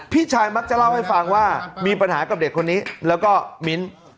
พี่ชายมักจะเล่าให้ฟังว่ามีปัญหากับเด็กคนนี้แล้วก็มิ้น